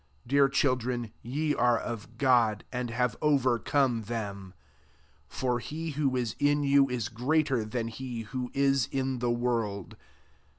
4 Dear children, ye are of Grod, and have overcome them : for he who is in you is greater than he who is in the world.